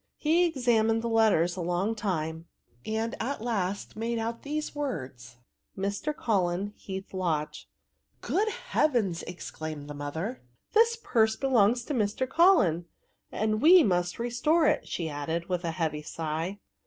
He examined the letters a long time, and at last made out these words t —'* Mr. Cullen, Heath Lodge.'* " Good heavens !" exclaimed the mother ;this purse belongs to Mr. Cullen, and we must restore it," added she, with a heavy sigh.